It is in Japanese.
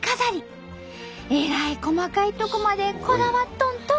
えらい細かいとこまでこだわっとんと！